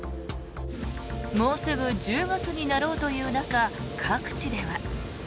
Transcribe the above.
もうすぐ１０月になろうという中各地では。